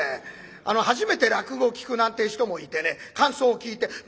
あの初めて落語を聴くなんてえ人もいてね感想を聞いて